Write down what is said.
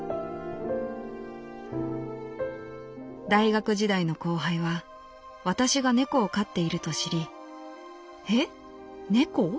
「大学時代の後輩は私が猫を飼っていると知り『え？猫？